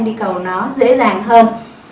đi cầu nó dễ dàng hơn